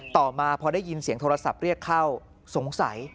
ต่อมาพอได้ยินเสียงโทรศัพท์เรียกเข้าสงสัย